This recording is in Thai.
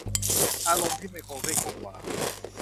อารมณ์ที่ไม่คงเส้นคงวา